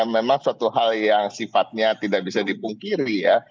memang suatu hal yang sifatnya tidak bisa dipungkiri ya